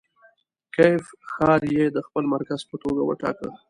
کیف ښاریې د خپل مرکز په توګه وټاکه.